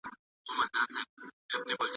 پرېږده نن سبا که د مرګي پر شونډو یاد سمه